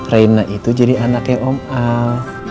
raina itu jadi anaknya om al